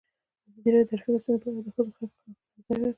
ازادي راډیو د ټرافیکي ستونزې په اړه د ښځو غږ ته ځای ورکړی.